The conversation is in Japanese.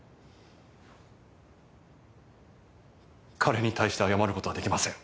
彼に対して謝る事はできません。